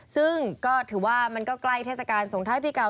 ซึ่งก็ถือว่ามันก็ใกล้เทศกาลสงท้ายปีเก่า